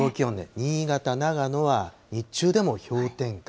新潟、長野は日中でも氷点下。